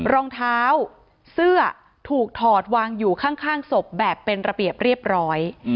รองเท้าเสื้อถูกถอดวางอยู่ข้างศพแบบเป็นระเบียบเรียบร้อย